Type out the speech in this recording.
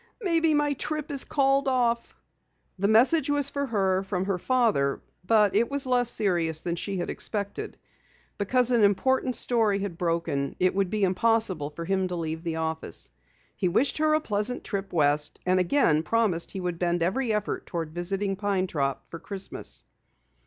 "Maybe my trip is called off!" The message was for her, from her father. But it was less serious than she had expected. Because an important story had "broken" it would be impossible for him to leave the office. He wished her a pleasant trip west and again promised he would bend every effort toward visiting Pine Top for Christmas.